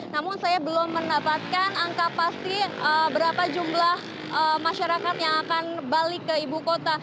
namun saya belum mendapatkan angka pasti berapa jumlah masyarakat yang akan balik ke ibu kota